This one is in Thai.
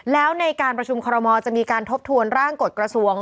แล้วในการประชุมคอรมอลจะมีการทบทวนร่างกฎกระทรวง